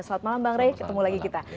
selamat malam bang ray ketemu lagi kita